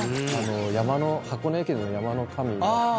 箱根駅伝の山の神だった。